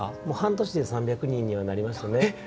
大体半年で３００人にはなりますね。